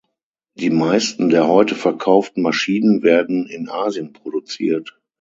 Die meisten der heute verkauften Maschinen werden in Asien produziert.